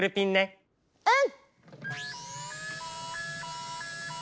うん！